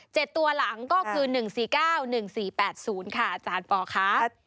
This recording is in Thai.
ตัวหลังก็คือ๑๔๙๑๔๘๐ค่ะอาจารย์ปอค่ะ